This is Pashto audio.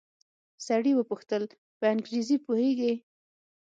سړي وپوښتل په انګريزي پوهېږې.